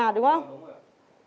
dạ đúng rồi ạ